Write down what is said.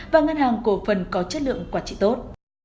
và ngân hàng cổ phần có chất lượng quản trị tốt